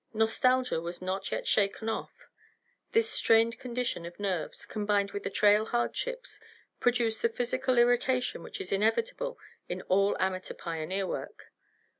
Nostalgia was not yet shaken off. This strained condition of nerves, combined with the trail hardships, produced the physical irritation which is inevitable in all amateur pioneer work.